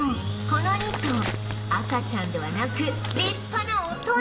この２頭赤ちゃんではなく立派な大人